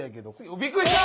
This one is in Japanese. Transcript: あびっくりした！